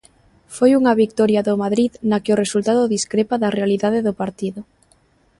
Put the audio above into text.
Foi unha vitoria do Madrid na que o resultado discrepa da realidade do partido.